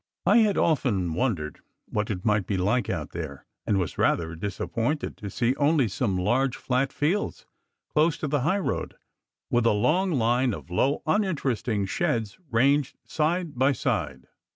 I had often wondered what it might be like out there, and was rather disappointed to see only some large flat fields close to the highroad, with a long line of low, uninteresting sheds ranged side by side.